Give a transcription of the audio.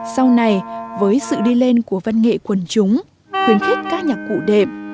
sau này với sự đi lên của văn nghệ quần chúng khuyến khích các nhạc cụ đệm